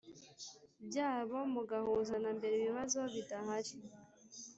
byabo mugahuza nambere ibibazo bidahari